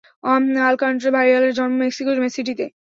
আলকান্টারা-আইয়ালার জন্ম মেক্সিকো সিটিতে।